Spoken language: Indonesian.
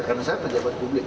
karena saya pejabat publik